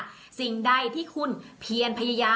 ส่งผลทำให้ดวงชะตาของชาวราศีมีนดีแบบสุดเลยนะคะ